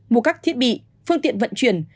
mùa các thiết bị phương tiện vận chuyển